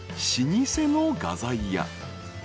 老舗の画材屋］